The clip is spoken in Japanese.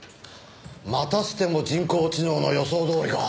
またしても人工知能の予想どおりか。